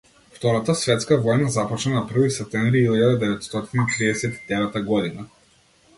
Втората светска војна започна на први септември илјада деветстотини триесет и деветта година.